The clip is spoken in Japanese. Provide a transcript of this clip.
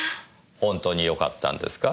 本当によかったんですか？